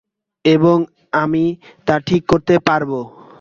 এবং আমি তা ঠিক করতে পারবো।